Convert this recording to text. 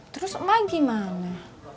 terus emang gimana